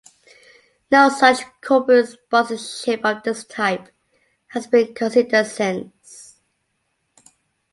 No such "corporate" sponsorship of this type has been considered since.